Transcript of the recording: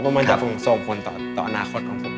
มันจะส่งผลต่ออนาคตของผม